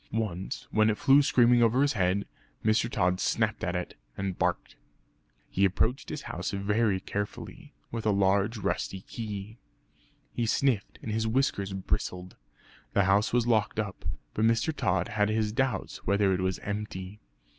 Once when it flew screaming over his head Mr. Tod snapped at it, and barked. He approached his house very carefully, with a large rusty key. He sniffed and his whiskers bristled. The house was locked up, but Mr. Tod had his doubts whether it was empty.